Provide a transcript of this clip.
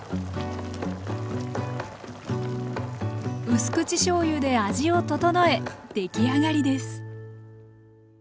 うす口しょうゆで味を調え出来上がりです。